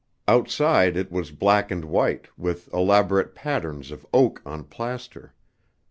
Outside it was black and white, with elaborate patterns of oak on plaster.